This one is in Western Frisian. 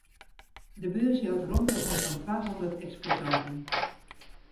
De beurs jout romte oan sa'n twahûndert eksposanten.